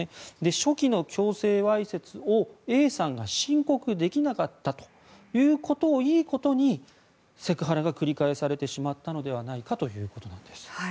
初期の強制わいせつをＡさんが申告できなかったということをいいことにセクハラが繰り返されてしまったのではないかということです。